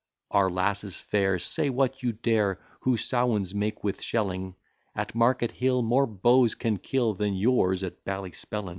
Our lasses fair, say what you dare, Who sowins make with shelling, At Market hill more beaux can kill, Than yours at Ballyspellin.